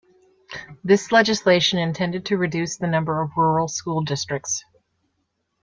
This legislation intended to reduce the number of rural school districts.